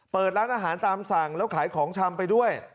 เปิดร้านอาหารตามสั่งแล้วขายของชำไปด้วย